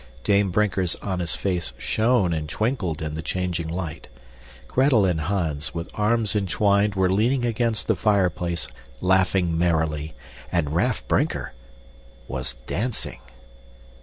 Dame Brinker's honest face shone and twinkled in the changing light. Gretel and Hans, with arms entwined, were leaning against the fireplace, laughing merrily, and Raff Brinker was dancing!